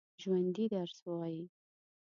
ژوندي درس وايي